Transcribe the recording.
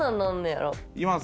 いきます。